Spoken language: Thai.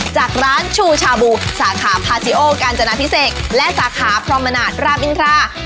จากร้านชูชาบูสาขาพาซิโอกาญจนาพิเศษและสาขาพรหมนาศรามอินทรา